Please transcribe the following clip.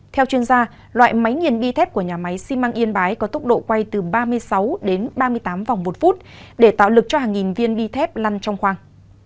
theo chuyên gia loại máy nghiền bi thép của nhà máy xi măng yên bái có tốc độ quay từ ba mươi sáu đến ba mươi tám vòng một phút để tạo lực cho hàng nghìn viên bi thép lăn trong khoang